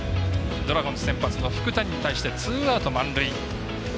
ドラゴンズ先発の福谷に対してツーアウト、満塁。